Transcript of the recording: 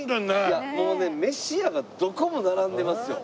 いやもうね飯屋がどこも並んでますよ。